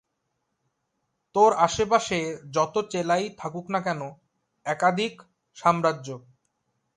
তোর আসেপাশে যত চেলাই থাকুক না কেন, একাদিক সাম্রাজ্য।